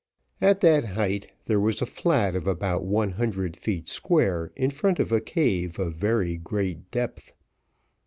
At that height there was a flat of about one hundred feet square in front of a cave of very great depth.